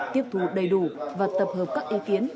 tiếp thu đầy đủ và tập hợp các ý kiến